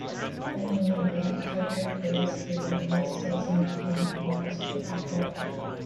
The Indian black turtle breeds during the wet season, between August to October.